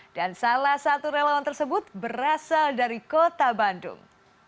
dan salah satu relawan tersebut berasal dari kota bandung